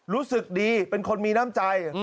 รู้สึกดีเป็นคนมีน้ำใจ